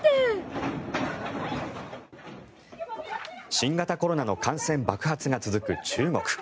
新型コロナの感染爆発が続く中国。